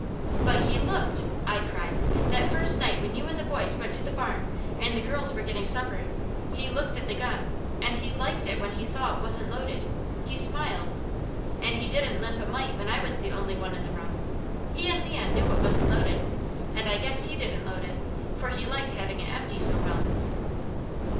"But he looked!" I cried. "That first night when you and the boys went to the barn, and the girls were getting supper, he looked at the gun, and he LIKED it when he saw it wasn't loaded. He smiled. And he didn't limp a mite when I was the only one in the room. He and Leon knew it wasn't loaded, and I guess he didn't load it, for he liked having it empty so well."